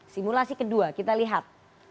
simulasi kedua kita lihat